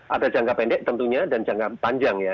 ada jangka pendek tentunya dan jangka panjang ya